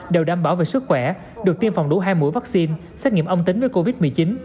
đều đảm bảo về sức khỏe được tiêm phòng đủ hai mũi vaccine xét nghiệm âm tính với covid một mươi chín